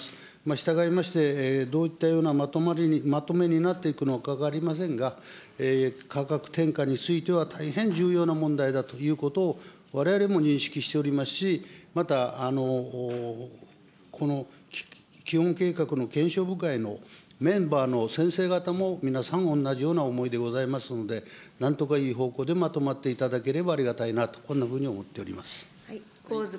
したがいまして、どういったようなまとめになっていくのか分かりませんが、価格転嫁については大変重要な問題だということをわれわれも認識しておりますし、また、この基本計画の検証部会のメンバーの先生方も皆さん、おんなじような思いでありますので、なんとかいい方向でまとまっていただければありがたいな、こんなふうに思っております。